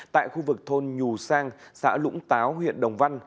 tại khu vực thôn nhù sang xã lũng táo huyện đồng văn